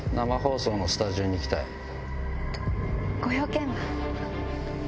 ご用件は？